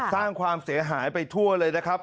สร้างความเสียหายไปทั่วเลยนะครับ